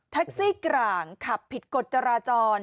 แท็กซี่กร่างขับผิดกฎจราจร